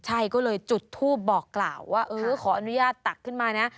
ใช่ก็เลยจุดทูปบอกกล่าวว่าเออขออนุญาตตักขึ้นมานะ